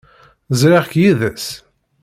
Ẓriɣ-k yid-s.